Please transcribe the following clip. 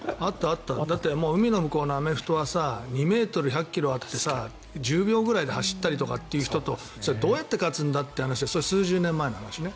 だって、海の向こうのアメフトは２ｍ、１００ｋｇあって１０秒くらいで走ったりって人とどうやって勝つんだというのは数十年前の話ね。